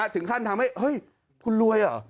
ถึงขั้นทำให้เฮ้ยคุณรวยเหรอ